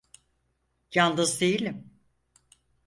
Yalnız değilim.